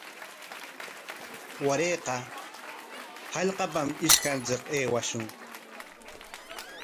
Warayqa hallqapam ishkanchik aywashun.